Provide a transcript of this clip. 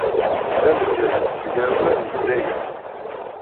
D amedyaz n tegrawla n Lezzayer.